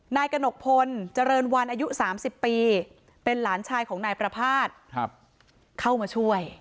นายกนกพลเจริญวันอายุ๓๐ปีเป็นหลานชายของนายประภาษฌ์